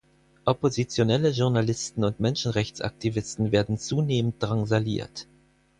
Oppositionelle Journalisten und Menschenrechtsaktivisten werden zunehmend drangsaliert.